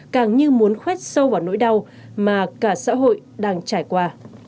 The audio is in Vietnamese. khuét sâu vào nỗi đau mà cả xã hội đang trải qua